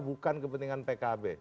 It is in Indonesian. bukan kepentingan pkb